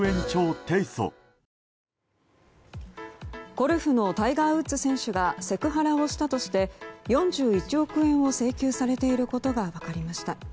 ゴルフのタイガー・ウッズ選手がセクハラをしたとして４１億円を請求されていることが分かりました。